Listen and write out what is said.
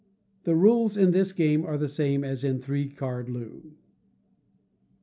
The rules in this game are the same as in Three Card Loo.